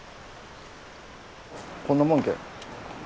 こんなもんけ？